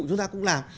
chúng ta cũng làm